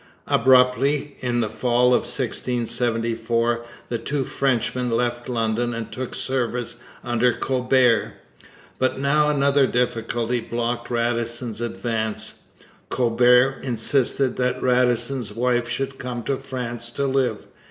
Abruptly, in the fall of 1674, the two Frenchmen left London and took service under Colbert. But now another difficulty blocked Radisson's advance. Colbert insisted that Radisson's wife should come to France to live.